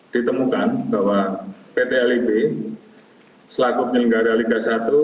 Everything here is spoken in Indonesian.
ditemukan bahwa pt lib selaku penyelenggara liga satu